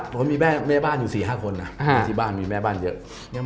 ผมมีแม่บ้านอยู่๔๕คนนะมีที่บ้านมีแม่บ้านเยอะ